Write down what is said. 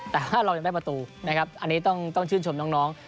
แต่ว่าเรายังได้ประตูนะครับอันนี้ต้องชื่นชมน้อง